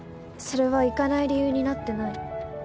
それは行かない理由になってない